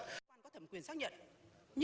chúng ta có thẩm quyền xác nhận